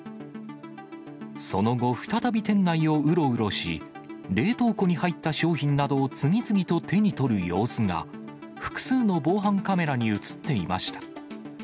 その後、再び店内をうろうろし、冷凍庫に入った商品などを次々と手に取る様子が、複数の防犯カメラに写っていました。